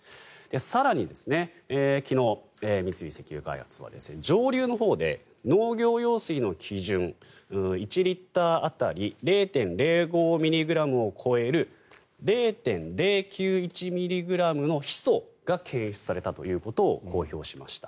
更に昨日、三井石油開発は上流のほうで農業用水の基準１リットル当たり０．０５ｍｇを超える０．０９１ｍｇのヒ素が検出されたことを公表しました。